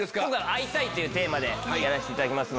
「会いたい！」っていうテーマでやらせていただきます。